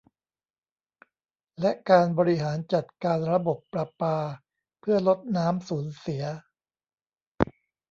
และการบริหารจัดการระบบประปาเพื่อลดน้ำสูญเสีย